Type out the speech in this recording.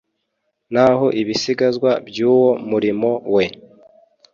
naho ibisigazwa by'uwo murimo we